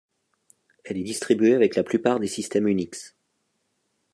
Elle est distribuée avec la plupart des systèmes Unix.